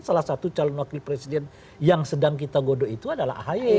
salah satu calon wakil presiden yang sedang kita godok itu adalah ahy